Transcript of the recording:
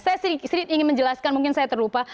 saya sedikit ingin menjelaskan mungkin saya terlupa